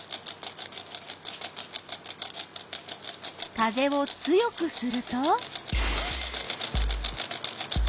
風を強くすると？